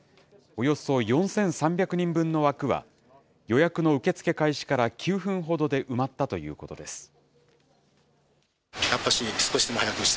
およそ４３００人分の枠は、予約の受け付け開始から９分ほどで埋まったということです。